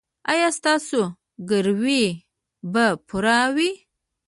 ایا ستاسو ګروي به پوره وي؟